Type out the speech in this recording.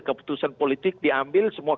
keputusan politik diambil semua